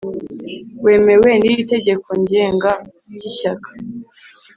wemewe nir Itegeko Ngenga ry Ishyaka